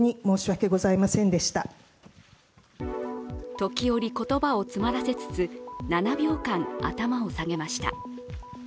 時折言葉を詰まらせつつ７秒間頭を下げました。